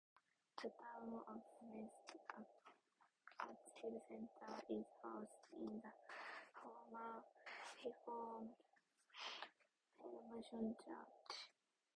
The Town of Amherst Archives Center is housed in the Former Reformed Mennonite Church.